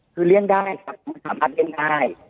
คือเลี่ยงได้ถามมาเลี่ยงได้